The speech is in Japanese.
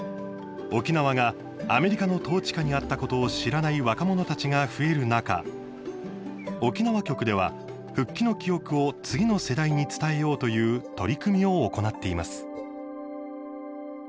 沖縄がアメリカの統治下にあったことを知らない若者たちが増える中沖縄局では復帰の記憶を次の世代に伝えようという取り組みを行っています。